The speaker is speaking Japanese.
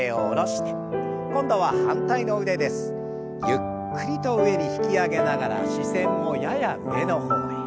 ゆっくりと上に引き上げながら視線もやや上の方へ。